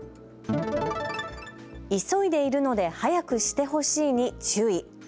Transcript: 急いでいるので早くしてほしいに注意。